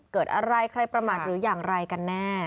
เกิดอะไรใครประมาทหรืออย่างไรกันแน่